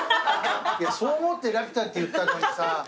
いやそう思って『ラピュタ』って言ったのにさ。